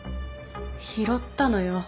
拾ったのよ。